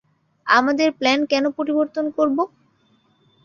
আমাদের প্ল্যান কেন পরিবর্তন করব?